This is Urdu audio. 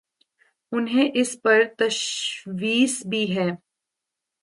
انہیں اس پر تشویش بھی ہے۔